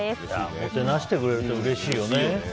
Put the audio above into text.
おもてなしてくれるのはうれしいよね。